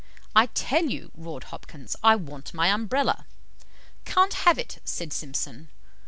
'I tell you,' roared Hopkins, 'I want my Umbrella.' 'Can't have it,' said Simpson.